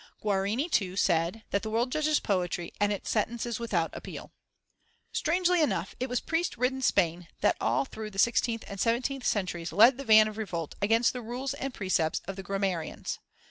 Guarini, too, said that "the world judges poetry, and its sentence is without appeal." Strangely enough, it was priest ridden Spain that all through the sixteenth and seventeenth centuries led the van of revolt against the rules and precepts of the grammarians.